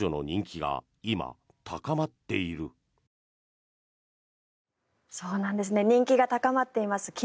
人気が高まっています